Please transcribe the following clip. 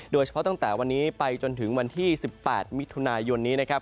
ตั้งแต่วันนี้ไปจนถึงวันที่๑๘มิถุนายนนี้นะครับ